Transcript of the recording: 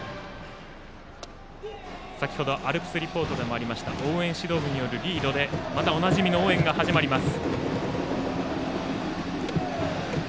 先程アルプスリポートでもありましたが応援指導部でのリードでまたおなじみの応援が始まります。